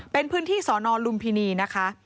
เป็นพื้นที่สอนอลุมพินีนะคะ